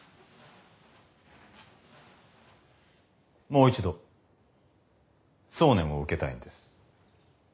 ・もう一度送念を受けたいんです。